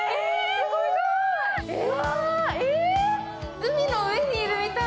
海の上にいるみたい！